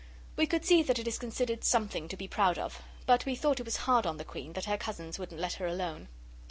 We could see that it is considered something to be proud of; but we thought it was hard on the Queen that her cousins wouldn't let her alone.